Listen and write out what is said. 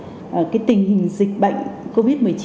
cái tình hình dịch bệnh covid một mươi chín